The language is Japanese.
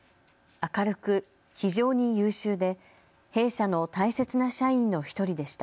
明るく非常に優秀で、弊社の大切な社員の一人でした。